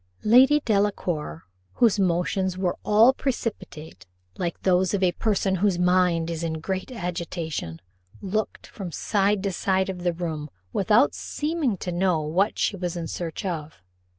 Lady Delacour, whose motions were all precipitate, like those of a person whose mind is in great agitation, looked from side to side of the room, without seeming to know what she was in search of.